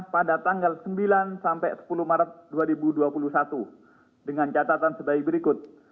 pada tanggal sembilan sampai sepuluh maret dua ribu dua puluh satu dengan catatan sebagai berikut